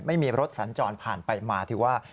ไม่มีรถสัญจรผ่านไปมาถือว่า